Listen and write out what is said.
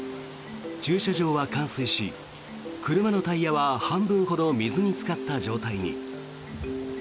駐車場は冠水し、車のタイヤは半分ほど水につかった状態に。